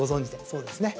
そうですね。